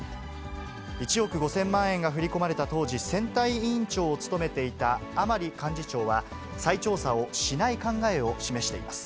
１億５０００万円が振り込まれた当時、選対委員長を務めていた甘利幹事長は、再調査をしない考えを示しています。